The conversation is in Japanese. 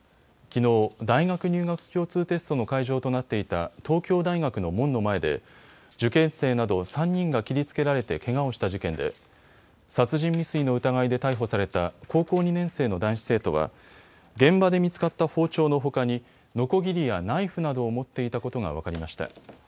きのう、大学入学共通テストの会場となっていた東京大学の門の前で受験生など３人が切りつけられてけがをした事件で殺人未遂の疑いで逮捕された高校２年生の男子生徒は現場で見つかった包丁のほかにのこぎりやナイフなどを持っていたことが分かりました。